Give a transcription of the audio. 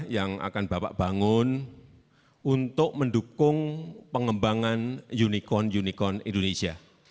yang akan bapak bangun untuk mendukung pengembangan unicorn unicorn indonesia